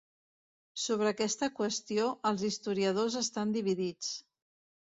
Sobre aquesta qüestió, els historiadors estan dividits.